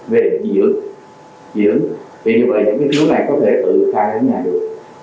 vì như vậy những cái thứ này có thể tự khai đến nhà được